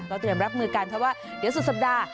เตรียมรับมือกันเพราะว่าเดี๋ยวสุดสัปดาห์